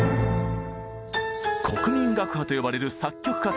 「国民楽派」と呼ばれる作曲家たち。